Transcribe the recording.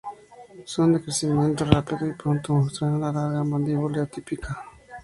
Son de crecimiento rápido y pronto mostrarán la larga mandíbula típica.